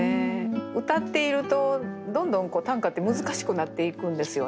うたっているとどんどん短歌って難しくなっていくんですよね。